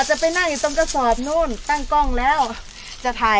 เห็นมั้ยเขาชะหักแล้วเจ๊ถอย